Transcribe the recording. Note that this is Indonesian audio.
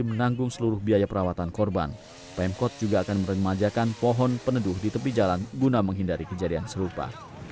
menanggung seluruh biaya perawatan korban pemkot juga akan meremajakan pohon peneduh di tepi jalan guna menghindari kejadian serupa